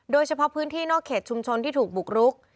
โดยเฉพาะพื้นที่นอกเขตชุมชนที่ถูกบุกรุก